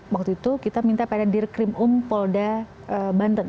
waktu itu kita minta pada dirkrim um polda banten